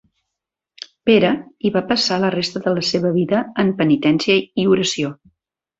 Pere hi va passar la resta de la seva vida en penitència i oració.